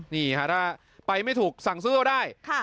นี่ค่ะถ้าไปไม่ถูกสั่งซื้อก็ได้